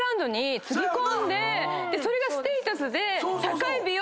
それがステータスで。